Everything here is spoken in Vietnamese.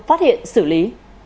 phát hiện xử lý